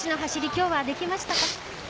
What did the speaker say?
今日はできましたか？